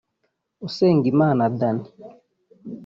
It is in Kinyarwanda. Usengimana Dany